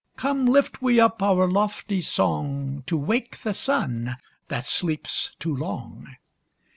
Come lift we up our lofty song, To wake the Sun that sleeps too long.